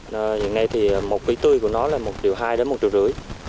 nhưng đây thì một cây tươi của nó là một hai triệu đến một năm triệu